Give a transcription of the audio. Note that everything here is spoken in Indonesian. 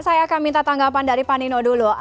saya akan minta tanggapan dari pak nino dulu